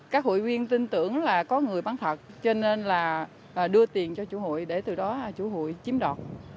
các hội viên tin tưởng là có người bán thật cho nên là đưa tiền cho chủ hội để từ đó chủ hội chiếm đoạt